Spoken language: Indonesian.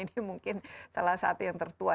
ini mungkin salah satu yang tertua